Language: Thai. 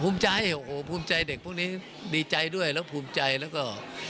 ภูมิใจโอ้โหภูมิใจเด็กพวกนี้ดีใจด้วยแล้วภูมิใจแล้วก็